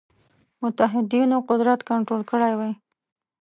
متحدینو قدرت کنټرول کړی وای.